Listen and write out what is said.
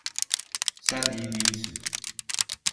Sen iyi değilsin.